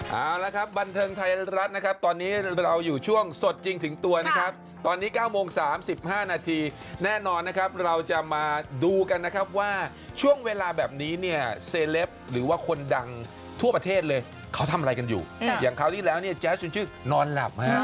เอาละครับบันเทิงไทยรัฐนะครับตอนนี้เราอยู่ช่วงสดจริงถึงตัวนะครับตอนนี้๙โมง๓๕นาทีแน่นอนนะครับเราจะมาดูกันนะครับว่าช่วงเวลาแบบนี้เนี่ยเซเลปหรือว่าคนดังทั่วประเทศเลยเขาทำอะไรกันอยู่อย่างคราวที่แล้วเนี่ยแจ๊สชวนชื่นนอนหลับฮะ